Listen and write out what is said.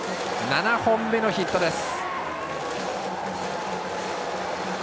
７本目のヒットです。